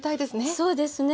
そうですね